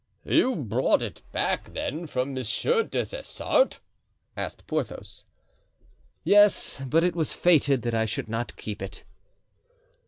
"You bought it back, then, from Monsieur des Essarts?" asked Porthos. "Yes, but it was fated that I should not keep it."